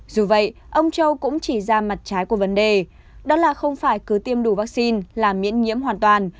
dù vậy ông châu cũng chỉ ra mặt trái của vấn đề đó là không phải cứ tiêm đủ vaccine là miễn nhiễm hoàn toàn